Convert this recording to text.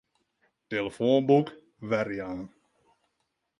Tillefoanboek werjaan.